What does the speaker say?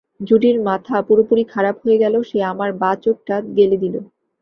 জুডির মাথা পুরোপুরি খারাপ হয়ে গেল-সে আমার বা চোখটা গেলে দিল।